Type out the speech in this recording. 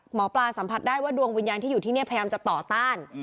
หมอปลาสัมผัสได้ว่าดวงวิญญาณที่อยู่ที่นี่พยายามจะต่อต้าน